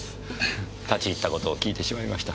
立ち入った事を訊いてしまいました。